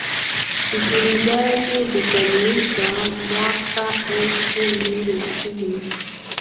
msikilizaji kuukamilisha mwaka elfu mbili na kumi